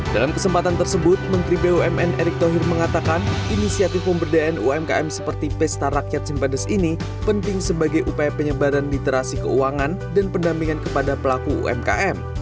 dalam kesempatan tersebut menteri bumn erick thohir mengatakan inisiatif pemberdayaan umkm seperti pesta rakyat simpedes ini penting sebagai upaya penyebaran literasi keuangan dan pendampingan kepada pelaku umkm